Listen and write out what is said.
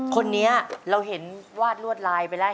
คนนี้เราเห็นวาดลวดลายไปแล้ว